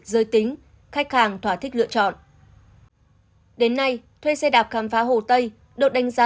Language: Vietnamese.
giới tính khách hàng thỏa thích lựa chọn đến nay thuê xe đạp khám phá hồ tây được đánh giá